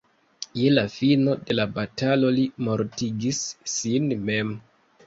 Je la fino de la batalo li mortigis sin mem.